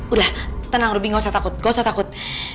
udah tenang ruby gausah takut gausah takut